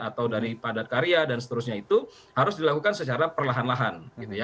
atau dari padat karya dan seterusnya itu harus dilakukan secara perlahan lahan